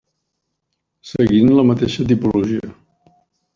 Seguint la mateixa tipologia.